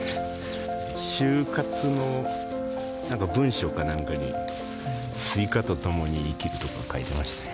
就活のなんか文章かなんかに「スイカとともに生きる」とか書いていましたね。